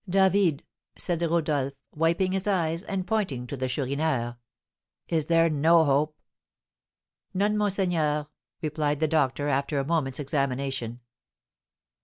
"David," said Rodolph, wiping his eyes, and pointing to the Chourineur, "is there no hope?" "None, monseigneur," replied the doctor, after a moment's examination.